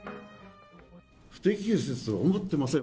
不適切だと思っていません。